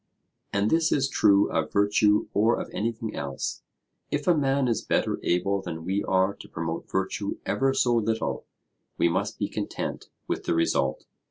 And this is true of virtue or of anything else; if a man is better able than we are to promote virtue ever so little, we must be content with the result.